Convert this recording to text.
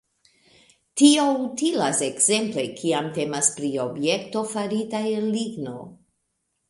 Tio utilas ekzemple, kiam temas pri objekto farita el ligno.